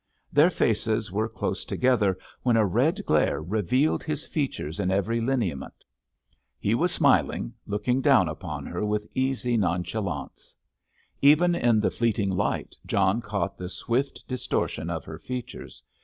Their faces were close together when a red glare revealed his features in every lineament. He was smiling, looking down upon her with easy nonchalance. Even in the fleeting light John caught the swift distortion of her features.